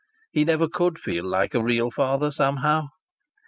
He never could feel like a real father, somehow.